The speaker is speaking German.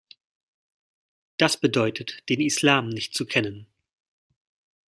Das bedeutet, den Islam nicht zu kennen.